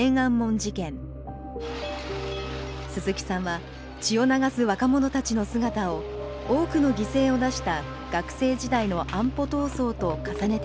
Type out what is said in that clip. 鈴木さんは血を流す若者たちの姿を多くの犠牲を出した学生時代の安保闘争と重ねて見ていました。